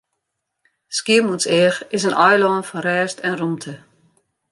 Skiermûntseach is in eilân fan rêst en rûmte.